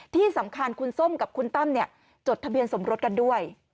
ที่สำคัญคุณส้มกับคุณตั้มจดทะเบียนสมรสกันด้วย